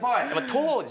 当時。